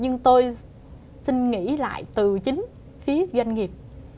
nhưng tôi xin nghỉ lại từ chính phía doanh nghiệp